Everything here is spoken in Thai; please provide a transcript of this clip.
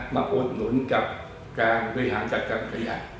มาอุดหนุนกับการบริหารจัดการพยายาม